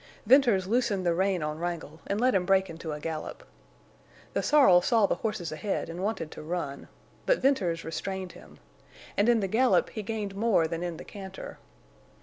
Venters loosened the rein on Wrangle and let him break into a gallop. The sorrel saw the horses ahead and wanted to run. But Venters restrained him. And in the gallop he gained more than in the canter.